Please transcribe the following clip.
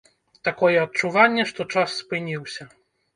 Такое адчуванне, што час спыніўся.